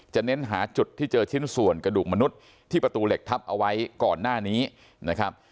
เน้นหาจุดที่เจอชิ้นส่วนกระดูกมนุษย์ที่ประตูเหล็กทับเอาไว้ก่อนหน้านี้นะครับ